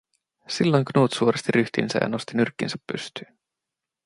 Silloin Knut suoristi ryhtinsä ja nosti nyrkkinsä pystyyn.